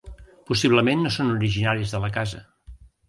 Possiblement no són originaris de la casa.